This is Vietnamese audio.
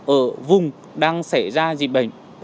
ở vùng đang xảy ra dịch bệnh